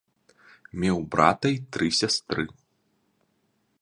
Меў брата й тры сястры.